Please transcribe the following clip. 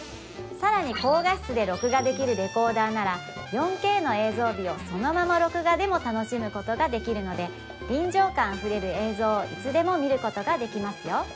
さらに高画質で録画できるレコーダーなら４Ｋの映像美をそのまま録画でも楽しむことができるので臨場感あふれる映像をいつでも見ることができますよ